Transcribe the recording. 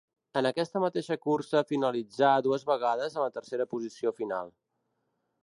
En aquesta mateixa cursa finalitzà dues vegades en la tercera posició final.